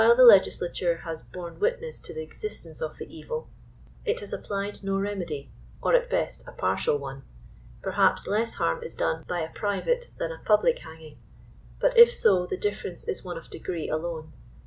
— Pa. Laws SiaLj Aprilj 1834. 79 of the evil, it has applied no remedy, or at best a partial one. Perhaps less harm is done by a private than a public hanging ; but, if 80, the difference is one of degree alone.